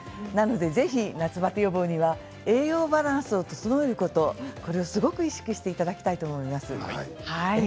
ぜひ夏バテ予防には栄養バランスを整えることこれを意識していただきたいと思います。